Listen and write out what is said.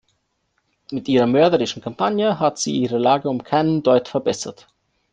Mit ihrer mörderischen Kampagne hat sie ihre Lage um keinen Deut verbessert.